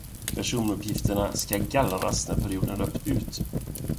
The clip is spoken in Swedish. Personuppgifterna ska gallras när perioden löpt ut.